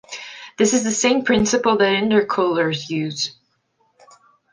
This is the same principle that intercoolers use.